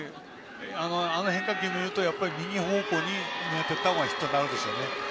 あの変化球を見ると右方向に狙っていったほうがヒットになるでしょうね。